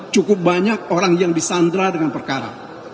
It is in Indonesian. cukup banyak orang yang disandra dengan perkara